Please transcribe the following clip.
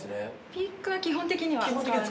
ピックは基本的には。